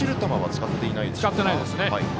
使っていないですね。